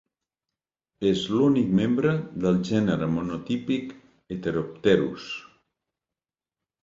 És l'únic membre del gènere monotípic "Heteropterus".